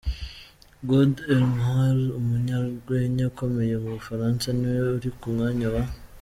Gad Elmaleh umunyarwenya ukomeye mu Bufaransa Ni we uri ku mwanya wa .